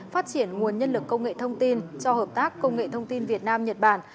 phát triển nguồn nhân lực công nghệ thông tin cho hợp tác công nghệ thông tin việt nam nhật bản